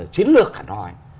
chiến lược hà nội